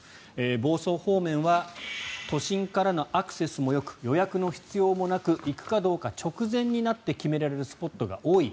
房総方面は都心からのアクセスもよく予約の必要もなく行くかどうか直前になって決められるスポットが多い。